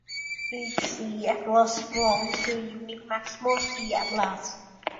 Each "C" atlas belongs to a unique maximal "C" atlas.